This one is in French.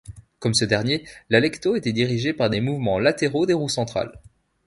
Comme ce dernier, l'Alecto était dirigé par des mouvements latéraux des roues centrales.